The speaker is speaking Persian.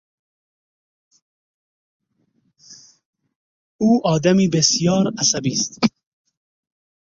او آدمی بسیار عصبی است.